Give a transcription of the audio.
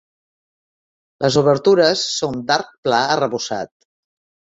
Les obertures són d'arc pla arrebossat.